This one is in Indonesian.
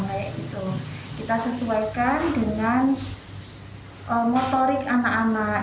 kita sesuaikan dengan motorik anak anak